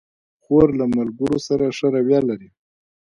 خور له ملګرو سره ښه رویه لري.